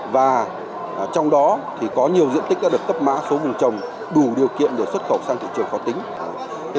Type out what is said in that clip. và trong đó thì có nhiều diện tích đã được cấp mã số vùng trồng đủ điều kiện để xuất khẩu sang thị trường khó tính